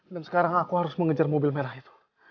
dan sekarang aku harus mengejar mobil merah itu